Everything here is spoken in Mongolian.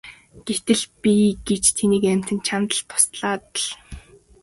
Гэтэл би гэж тэнэг амьтан чамд туслаад л!